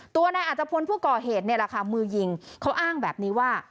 ตัวนายอัตภพลผู้ก่อเหตุนี่แหละค่ะมือยิงเขาอ้างแบบนี้ว่า